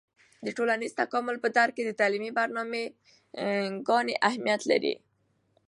د ټولنیز تکامل په درک کې د تعلیمي برنامه ګانې اهیمت لري.